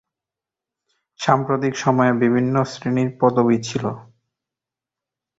সাম্প্রতিক সময়ে বিভিন্ন শ্রেণীর পদবি ছিল।